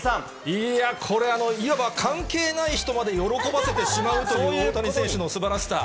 いや、これ、いわば関係ない人まで喜ばせてしまうという、大谷選手のすばらしさ。